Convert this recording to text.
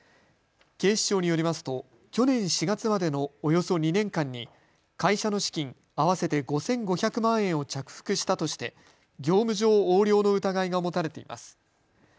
警視庁によりますと去年４月までのおよそ２年間に会社の資金、合わせて５５００万円を着服したとして業務上横領の疑いが持たれています。